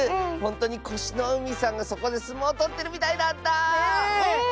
ほんとにこしのうみさんがそこですもうとってるみたいだった！